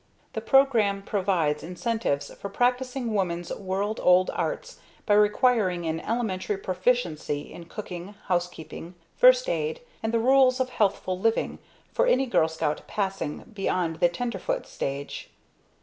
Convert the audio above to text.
_ The program provides incentives for practicing woman's world old arts by requiring an elementary proficiency in cooking, housekeeping, first aid, and the rules of healthful living for any Girl Scout passing beyond the Tenderfoot stage.